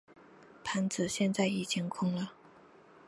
盘子现在已经空了。